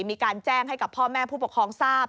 มีการแจ้งให้กับพ่อแม่ผู้ปกครองทราบ